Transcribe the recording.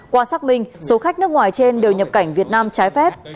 qua xác minh số khách nước ngoài trên đều nhập cảnh việt nam trái phép